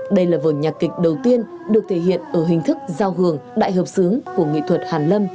đây là vườn nhạc kịch đầu tiên được thể hiện ở hình thức giao hưởng đại hợp xướng của nghị thuật hàn lâm